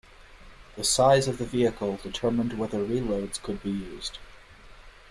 The size of the vehicle determined whether reloads could be used.